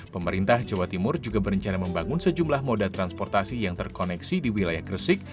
pemerintah jawa timur juga berencana membangun sejumlah moda transportasi yang terkoneksi di wilayah gresik